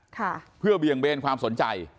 ค่ะเพื่อเบี่ยงเบนความสนใจ